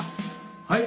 はい。